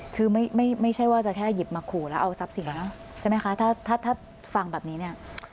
คือไม่ใช่ว่าจะแค่หยิบมาขู่แล้วเอาทรัพย์สินเนอะใช่ไหมคะถ้าถ้าฟังแบบนี้เนี่ย